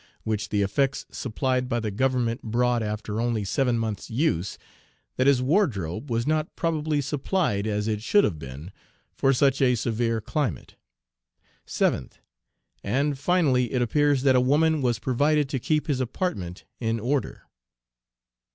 which the effects supplied by the Government brought after only seven months' use, that his wardrobe was not probably supplied as it should have been for such a severe climate. 7th. And, finally, it appears that a woman was provided to keep his apartment in order.